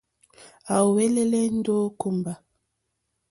À úwɛ́lɛ́lɛ́ ndó kùmbà.